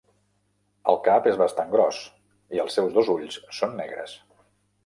El cap és bastant gros i els seus dos ulls són negres.